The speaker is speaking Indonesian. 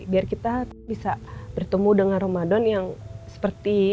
biar kita bisa bertemu dengan ramadan yang seperti sebelum panemi lagi